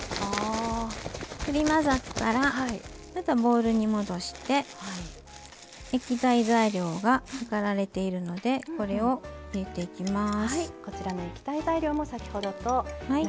振り混ざったらまたボウルに戻して液体材料が量られているのでこれを入れていきます。